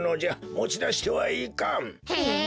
もちだしてはいかん。え。